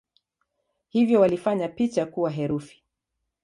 Hivyo walifanya picha kuwa herufi.